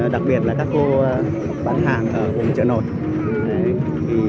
đặc biệt là các cô bán hàng ở vùng chợ nổi